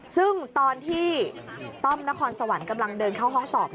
ซึ่งตอนที่ต้อมนครสวรรค์กำลังเดินเข้าห้องสอบ